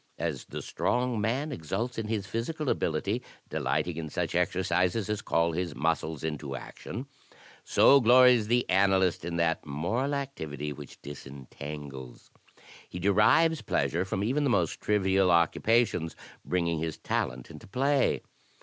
"^ As the strong man exults in his physical ability, delighting in such exercises as call his muscles into action, so glories the analyst in that moral activity which disentangles. He derives pleasure from even the most trivial occupations bringing his talent into play.